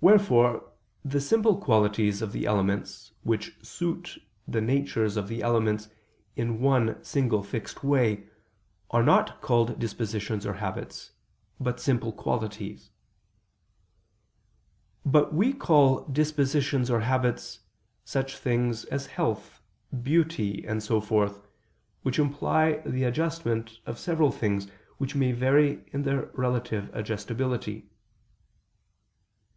Wherefore the simple qualities of the elements which suit the natures of the elements in one single fixed way, are not called dispositions or habits, but "simple qualities": but we call dispositions or habits, such things as health, beauty, and so forth, which imply the adjustment of several things which may vary in their relative adjustability.